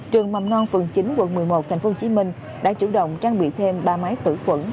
trường mầm non phường chín quận một mươi một tp hcm đã chủ động trang bị thêm ba máy tử khuẩn